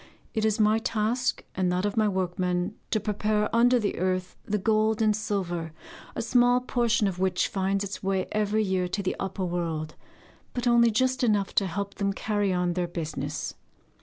It is my task and that of my workmen to prepare under the earth the gold and silver, a small portion of which finds its way every year to the upper world, but only just enough to help them carry on their business.